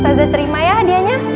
ustadzah terima ya hadiahnya